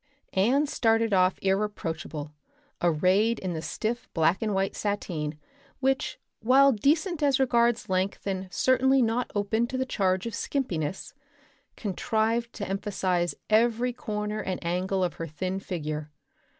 Anne started off irreproachable, arrayed in the stiff black and white sateen, which, while decent as regards length and certainly not open to the charge of skimpiness, contrived to emphasize every corner and angle of her thin figure.